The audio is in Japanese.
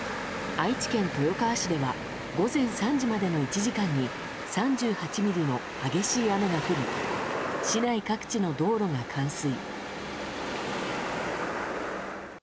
愛知県豊川市では午前３時までの１時間に３８ミリの激しい雨が降り市内各地の道路が冠水。